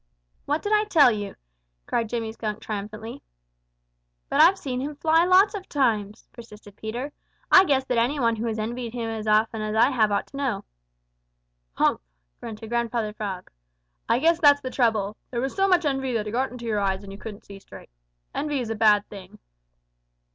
"What did I tell you?" cried Jimmy Skunk triumphantly. "But I've seen him fly lots of times!" persisted Peter. "I guess that any one who has envied him as often as I have ought to know." "Hump!" grunted Grandfather Frog. "I guess that's the trouble. There was so much envy that it got into your eyes, and you couldn't see straight. Envy is a bad thing."